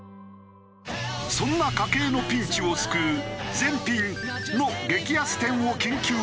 そんな家計のピンチを救う全品の激安店を緊急取材。